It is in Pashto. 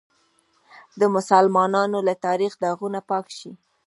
د مسلمانانو له تاریخه داغونه پاک شي.